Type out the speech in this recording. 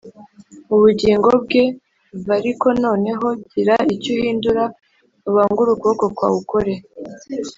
Ubugingo bwe v ariko noneho gira icyo uhindura ubangure ukuboko kwawe ukore